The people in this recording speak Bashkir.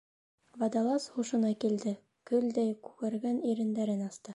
«Водолаз» һушына килде, көлдәй күгәргән ирендәрен асты.